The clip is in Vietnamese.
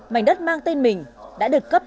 mảnh đất mang tên mình đã được cấp